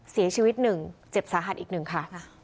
เสียชีวิตหนึ่งเจ็บสาหัสอีกหนึ่งค่ะ